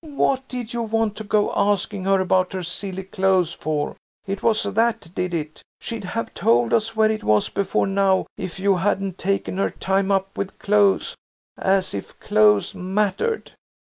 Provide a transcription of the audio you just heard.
"What did you want to go asking her about her silly clothes for? It was that did it. She'd have told us where it was before now if you hadn't taken her time up with clothes. As if clothes mattered!